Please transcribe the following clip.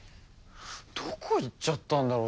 どこ行っちゃったんだろう？